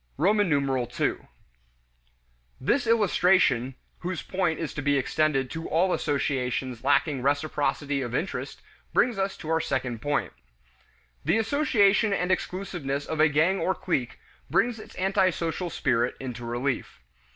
II. This illustration (whose point is to be extended to all associations lacking reciprocity of interest) brings us to our second point. The isolation and exclusiveness of a gang or clique brings its antisocial spirit into relief.